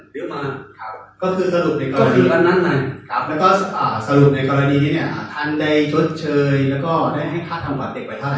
แล้วก็งี้คือสรุปของกรณีทันไดชดเชยให้คาตรัมฝันเสร็จไปท่าไหน